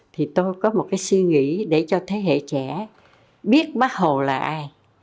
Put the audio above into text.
thì tôi có một cái suy nghĩ để cho thế hệ trẻ biết bác hồ là ai